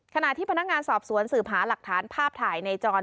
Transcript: ขณะที่พนักงานสอบสวนสืบหาหลักฐานภาพถ่ายในจร